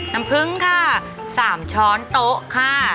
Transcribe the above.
น้ำพึ่งค่ะ๓ช้อนโต๊ะค่ะ